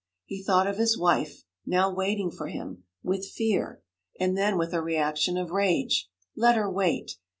He thought of his wife (now waiting for him) with fear, and then with a reaction of rage. Let her wait!